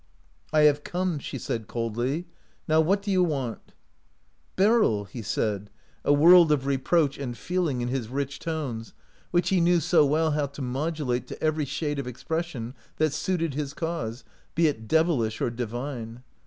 " I have come," she said, coldly. " Now what do you want ?" "Beryl!" he said, a world of reproach 142 OUT OF BOHEMIA and feeling in his rich tones, which he knew so well how to modulate to every shade of expression that suited his cause, be it devil ish or divine.